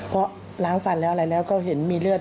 เพราะล้างฟันแล้วอะไรแล้วก็เห็นมีเลือด